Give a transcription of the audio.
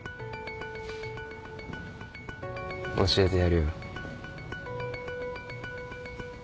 教えてやるよ。